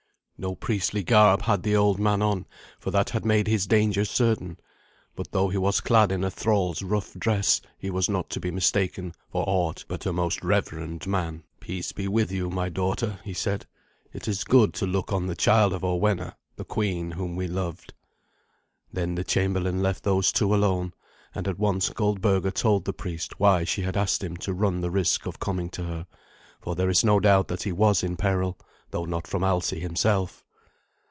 No priestly garb had the old man on, for that had made his danger certain; but though he was clad in a thrall's rough dress, he was not to be mistaken for aught but a most reverend man. "Peace be with you, my daughter," he said; "it is good to look on the child of Orwenna, the queen whom we loved." Then the chamberlain left those two alone, and at once Goldberga told the priest why she had asked him to run the risk of coming to her, for there is no doubt that he was in peril, though not from Alsi himself.